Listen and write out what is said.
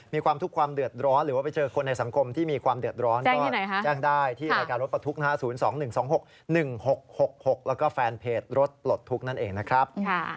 มีความทุกข์ความเดือดร้อนหรือว่าไปเจอคนในสังคมที่มีความเดือดร้อนก็แจ้งได้ที่รายการรถประทุกข์๐๒๑๒๖๑๖๖๖แล้วก็แฟนเพจรถปลดทุกข์นั่นเองนะครับ